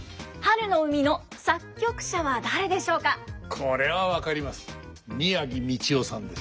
これは分かります。